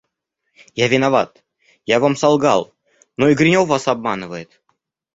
– Я виноват, я вам солгал; но и Гринев вас обманывает.